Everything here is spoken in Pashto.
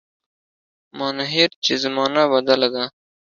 مانهیر چي زمانه بدله ده